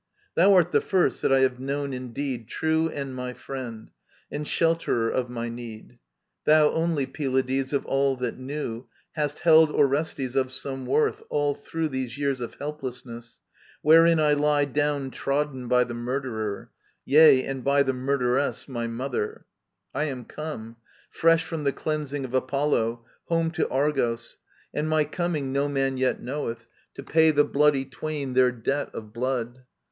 Thou art the first that I have known in deed True and my friend, and shelterer of my need. Thou only, Pylades, of all that knew, Hast held Orestes of some worth, all through These years of helplessness, wherein I lie Downtrodden by the murderer — ^yea, and by The murderess, my mother I ••• I am come, Fresh from the cleansing of Apollo, home To Argos — and my coming no man yet Knoweth — to pay the bloody twain their debt Of blood.